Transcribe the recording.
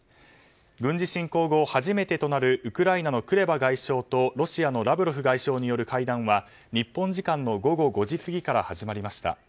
軍事侵攻後初めてとなるウクライナのクレバ外相とロシアのラブロフ外相による会談は日本時間の午後５時過ぎから始まりました。